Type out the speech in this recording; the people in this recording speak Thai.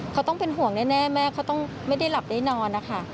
เขาต้องเป็นห่วงแน่แม่เขาต้องไม่ได้หลับได้นอนนะคะ